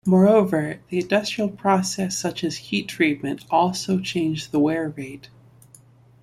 Moreover, the industrial process such as heat treatment also change the wear rate.